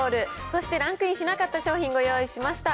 そして、ランクインしなかった商品ご用意しました。